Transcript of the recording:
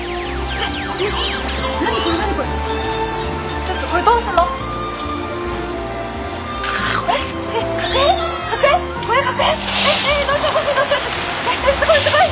えすごいすごい！